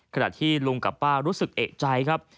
ขณะที่ลุงกับป้ารู้สึกเอกใจครับ